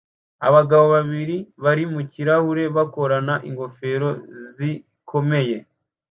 Abagabo babiri bari mu kirahuri bakorana ingofero zikomeye